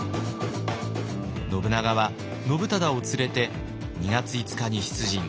信長は信忠を連れて２月５日に出陣。